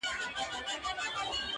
یوه ورځ پاچا وو غلی ورغلی،